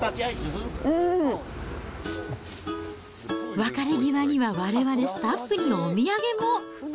別れ際には、われわれスタッフにお土産も。